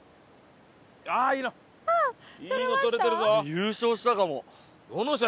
優勝したかも。